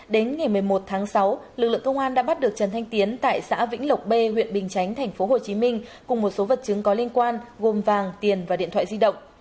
đến ngày một mươi một tháng sáu lực lượng công an đã bắt được trần thanh tiến tại xã vĩnh lộc b huyện bình chánh thành phố hồ chí minh cùng một số vật chứng có liên quan gồm vàng tiền và điện thoại di động